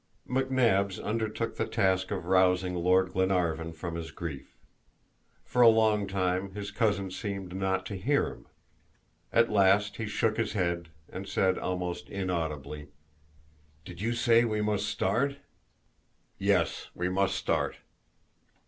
McNabbs undertook the task of rousing Lord Glenarvan from his grief. For a long time his cousin seemed not to hear him. At last he shook his head, and said, almost in audibly: "Did you say we must start?" "Yes, we must start."